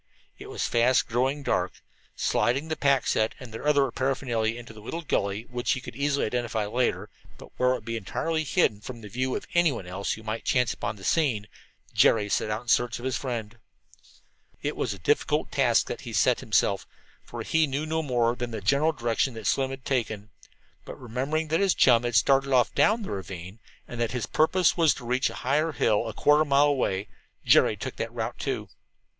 It was fast growing dark. Sliding the pack set and their other paraphernalia into a little gully which he easily could identify later, but where it would be entirely hidden from the view of anyone else who might chance upon the scene, Jerry set out in search of his friend. It was a difficult task that he set himself, for he knew no more than the general direction that Slim had taken. But remembering that his chum had started off down the ravine, and that his purpose was to reach a higher hill a quarter of a mile away, Jerry took that route, too.